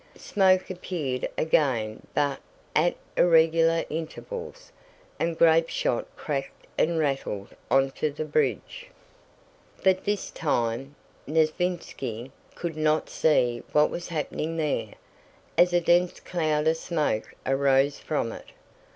Smoke appeared again but at irregular intervals, and grapeshot cracked and rattled onto the bridge. But this time Nesvítski could not see what was happening there, as a dense cloud of smoke arose from it.